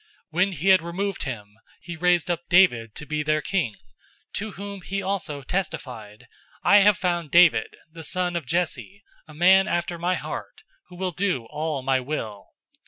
013:022 When he had removed him, he raised up David to be their king, to whom he also testified, 'I have found David the son of Jesse, a man after my heart, who will do all my will.'